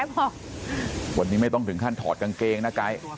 ตอนนี้ไม่ต้องถ่ายขนาดกางเกงนะ